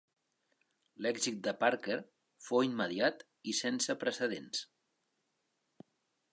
L'èxit de Parker fou immediat i sense precedents.